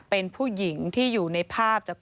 ของมันตกอยู่ด้านนอก